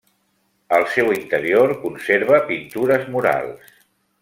El seu interior conserva pintures murals.